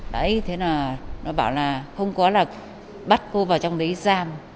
đấy thế là nó bảo là không có là bắt cô vào trong đấy giam